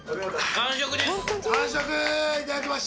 完食いただきました。